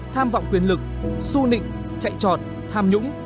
tham vọng quyền lực su nịnh chạy trọt tham nhũng